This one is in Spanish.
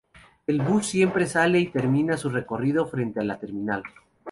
El bus siempre sale y termina su recorrido en frente a la terminal.